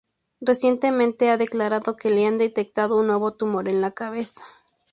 Recientemente, ha declarado que le han detectado un nuevo tumor en la cabeza.